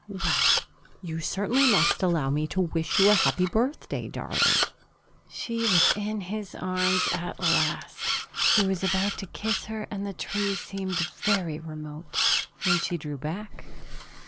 "Well, you certainly must allow me to wish you a happy birthday, darling." She was in his arms at last; he was about to kiss her, and the tree seemed very remote, when she drew back.